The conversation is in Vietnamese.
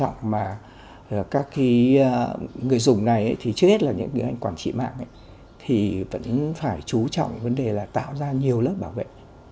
người dùng này trước hết là những người anh quản trị mạng vẫn phải chú trọng vấn đề là tạo ra nhiều lớp bảo vệ